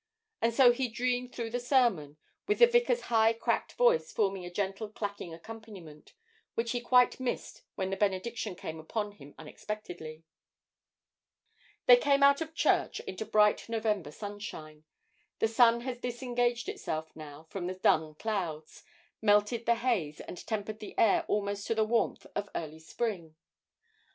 and so he dreamed through the sermon, with the vicar's high cracked voice forming a gentle clacking accompaniment, which he quite missed when the benediction came upon him unexpectedly. They came out of church into bright November sunshine; the sun had disengaged itself now from the dun clouds, melted the haze, and tempered the air almost to the warmth of early spring.